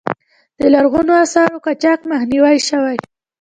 د لرغونو آثارو قاچاق مخنیوی شوی؟